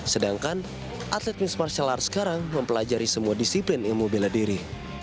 sedangkan atlet mixed martial arts sekarang mempelajari semua disiplin ilmu beladiri